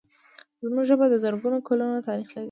زموږ ژبه د زرګونو کلونو تاریخ لري.